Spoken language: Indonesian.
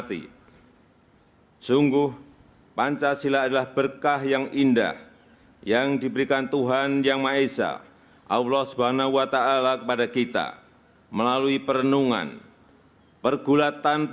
tanda kebesaran buka hormat senjata